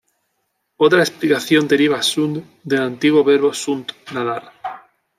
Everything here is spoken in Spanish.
Otra explicación deriva "sund" del antiguo verbo "sunt", nadar.